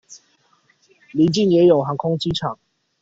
鄰近也有航空機場